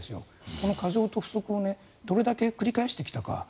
この過剰と不足をどれだけ繰り返してきたか。